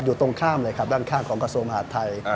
ตรงข้ามเลยครับด้านข้างของกระทรวงมหาดไทย